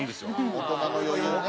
大人の余裕ね。